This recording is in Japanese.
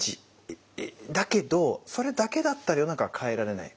だけどそれだけだったら世の中は変えられない。